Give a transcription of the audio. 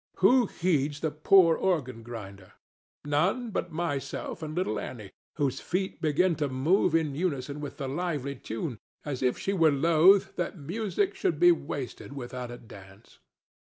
Who heeds the poor organ grinder? None but myself and little Annie, whose feet begin to move in unison with the lively tune, as if she were loth that music should be wasted without a dance.